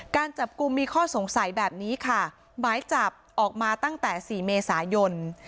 การจับกลุ่มมีข้อสงสัยแบบนี้ค่ะหมายจับออกมาตั้งแต่๔เมษายน